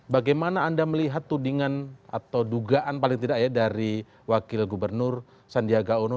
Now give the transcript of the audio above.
bagaimana anda melihat tudingan atau dugaan paling tidak ya dari wakil gubernur sandiaga uno